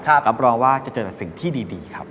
รับรองว่าจะเจอแต่สิ่งที่ดีครับ